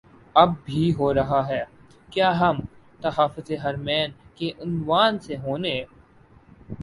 اب بھی ہو رہاہے کیا ہم تحفظ حرمین کے عنوان سے ہونے